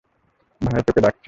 ভাই তোকে ডাকছে।